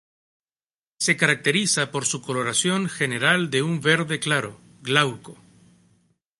Se caracteriza por su coloración general de un verde claro, glauco.